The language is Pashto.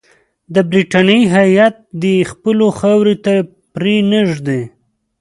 د برټانیې هیات دي خپلو خاورې ته پرې نه ږدي.